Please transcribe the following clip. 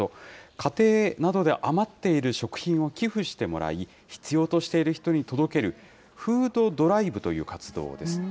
家庭などで余っている食品を寄付してもらい、必要としている人に届けるフードドライブという活動です。